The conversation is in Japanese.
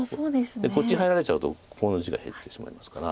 こっち入られちゃうとここの地が減ってしまいますから。